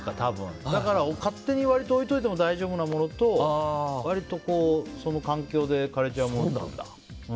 だから勝手に置いておいても大丈夫なものと割と環境で枯れちゃうものと。